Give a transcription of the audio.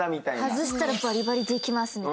外したらバリバリできますみたいな。